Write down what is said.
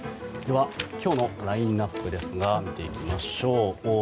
今日のラインアップですが見ていきましょう。